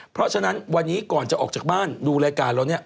เพราะฉะนั้นวันนี้ก่อนจะออกจากบ้านดูรายการเราเนี่ย